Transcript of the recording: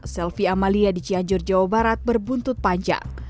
selvi amalia di cianjur jawa barat berbuntut panjang